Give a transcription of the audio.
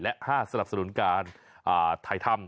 และห้าสรรพสนุนการถ่ายทำ